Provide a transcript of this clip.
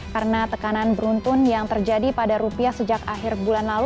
karena tekanan beruntun yang terjadi pada rupiah sejak akhir bulan lalu